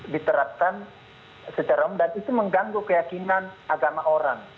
diterapkan secara umum dan itu mengganggu keyakinan agama orang